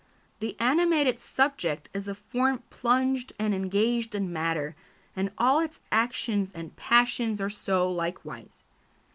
The animated subject is a form plunged and engaged in matter, and all its actions and passions are so likewise.